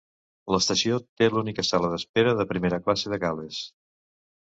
L'estació té l'única sala d'espera de primera classe de Gal·les.